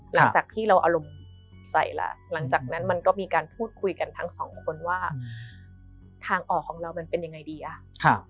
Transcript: หลังจากที่เราอารมณ์ใส่แล้วหลังจากนั้นมันก็มีการพูดคุยกันทั้งสองคนว่าทางออกของเรามันเป็นยังไงดีอ่ะ